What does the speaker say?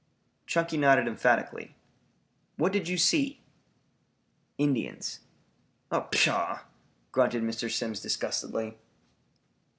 Chunky nodded emphatically. "What did you see?" "Indians." "Oh, pshaw!" grunted Mr. Simms disgustedly.